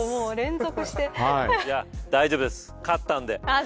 大丈夫です、勝ったんで。